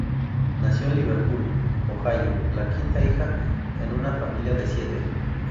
Nació en Liverpool, Ohio, la quinta hija en una familia de siete.